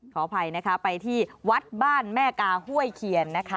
ขออภัยนะคะไปที่วัดบ้านแม่กาห้วยเคียนนะคะ